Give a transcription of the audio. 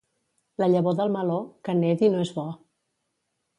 La llavor del meló, que nedi no és bo.